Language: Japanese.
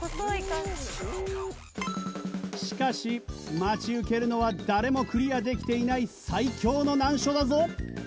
しかし待ち受けるのは誰もクリアできていない最強の難所だぞ。